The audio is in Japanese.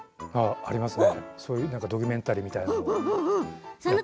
ありますね、そういうドキュメンタリーみたいなの。